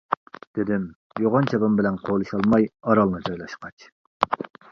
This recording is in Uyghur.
-دېدىم يوغان چاپان بىلەن قولىشالماي ئارانلا جايلاشقاچ.